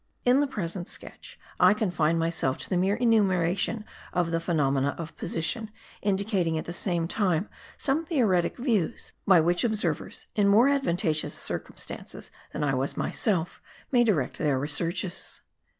In the present sketch I confine myself to the mere enumeration of the phenomena of position, indicating, at the same time, some theoretic views, by which observers in more advantageous circumstances than I was myself may direct their researches.